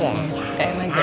pakai ayam aja